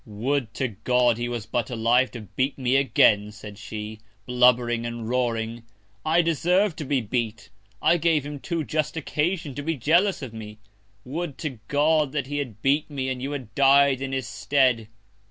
Would to God he was but alive to beat me again, said she, blubbering and roaring; I deserv'd to be beat. I gave him too just Occasion to be jealous of me. Would to God that he had beat me, and you had died in his Stead!